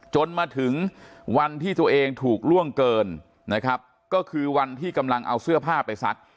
จนมาถึงวันที่ตัวเองถูกล่วงเกินนะครับก็คือวันที่กำลังเอาเสื้อผ้าไปซัก